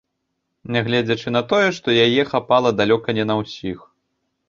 Нягледзячы на тое, што яе хапала далёка не на ўсіх.